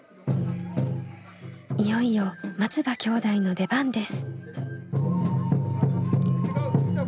いよいよ松場兄弟の出番です。